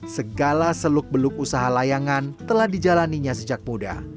segala seluk beluk usaha layangan telah dijalaninya sejak muda